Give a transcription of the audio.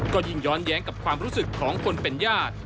ก็ยิ่งย้อนแย้งกับความรู้สึกของคนเป็นญาติ